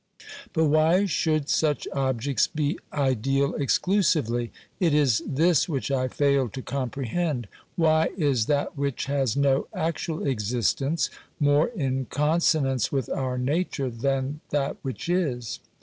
But why should such objects be ideal exclusively ? It is this which I fail to comprehend. Why is that which has no actual existence more in consonance with our nature than that which is